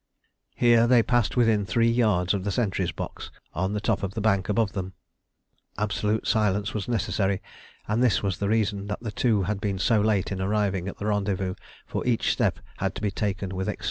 Here they passed within three yards of the sentry's box, on the top of the bank above them. Absolute silence was necessary, and this was the reason that the two had been so late in arriving at the rendezvous, for each step had to be taken with extreme care.